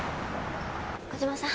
児島さん